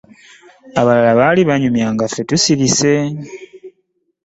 Abalala baali banyumya nga ffe tusirise.